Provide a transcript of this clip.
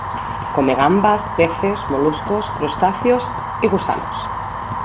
Come gambas, peces, moluscos, crustáceos y gusanos.